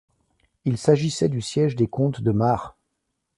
Il s'agissait du siège des comtes de Mar.